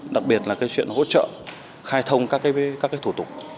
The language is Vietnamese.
đặc biệt là cái chuyện hỗ trợ khai thông các thủ tục